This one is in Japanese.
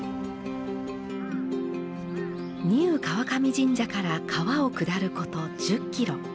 丹生川上神社から川を下ること１０キロ。